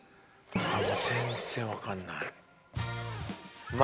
全然分かんない。